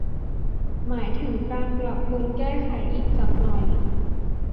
หมายถึงการปรับปรุงแก้ไขอีกสักหน่อย